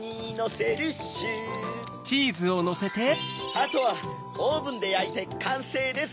あとはオーブンでやいてかんせいです！